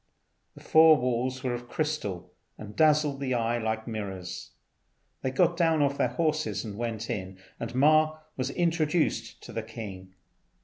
The four walls were of crystal, and dazzled the eye like mirrors. They got down off their horses and went in, and Ma was introduced to the king.